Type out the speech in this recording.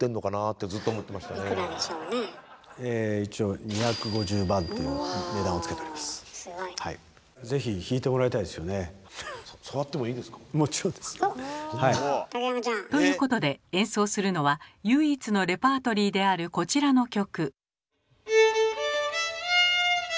一応ということで演奏するのは唯一のレパートリーであるこちらの曲。